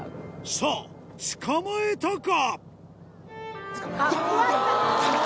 さあ、捕まえたか？